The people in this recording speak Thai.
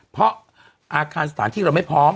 เพราะอาคารสถานที่เราไม่พร้อม